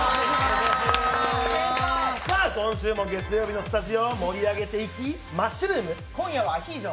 今週も月曜日のスタジオを盛り上げていきマッシュルーム、今夜はアヒージョ。